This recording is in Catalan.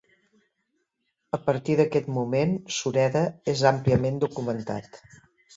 A partir d'aquest moment Sureda és àmpliament documentat.